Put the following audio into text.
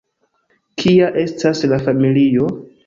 Kia estas la familio?